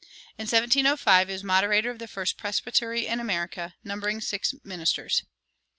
In 1705 he was moderator of the first presbytery in America, numbering six ministers.